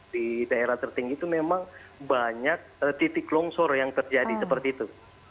di daerah tertinggi itu memang banyak titik longsor yang terjadi seperti itu